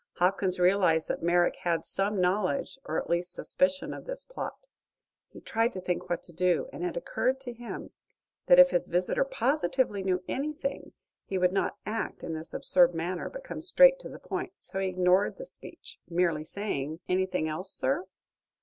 Hopkins realized that Merrick had some knowledge or at least suspicion of this plot. He tried to think what to do, and it occurred to him that if his visitor positively knew anything he would not act in this absurd manner, but come straight to the point. So he ignored the speech, merely saying: "Anything else, sir?"